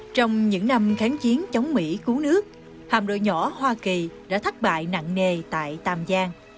trong những năm kháng chiến chống mỹ cứu nước hàm đội nhỏ hoa kỳ đã thất bại nặng nề tại tam giang